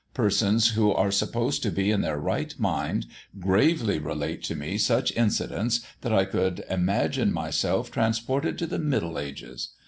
Persons who are supposed to be in their right mind gravely relate to me such incidents that I could imagine myself transported to the Middle Ages.